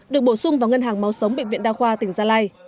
được bổ sung vào ngân hàng máu sống bệnh viện đa khoa tỉnh gia lai